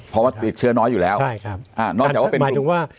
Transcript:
เพราะว่าติดเชื้อน้อยอยู่แล้วใช่ครับอ่านอกจากว่าเป็นหมายถึงว่า